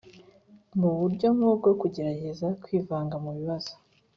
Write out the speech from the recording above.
Mu buryo nk ubwo kugerageza kwivanga mu bibazo